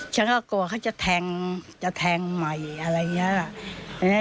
ฉันก็กลัวเขาจะแทงจะแทงใหม่อะไรอย่างนี้